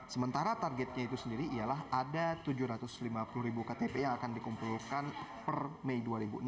sementara targetnya itu sendiri ialah ada tujuh ratus lima puluh ribu ktp yang akan dikumpulkan per mei dua ribu enam belas